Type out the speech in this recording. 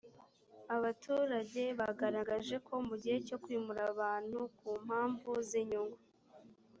abaturage bagaragaje ko mu gihe cyo kwimura abantu ku mpamvu z inyungu